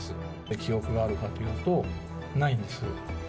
記憶があるかっていいますと、ないんです。